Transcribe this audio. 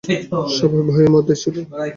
সবাই ভয়ের মধ্যে ছিল।